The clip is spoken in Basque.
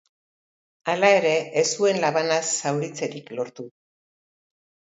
Hala ere, ez zuen labanaz zauritzerik lortu.